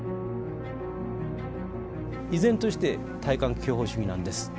依然として大艦巨砲主義なんです。